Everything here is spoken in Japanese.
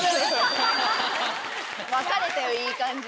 分かれたよいい感じに。